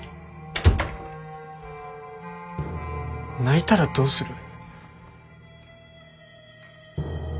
泣いたらどうする？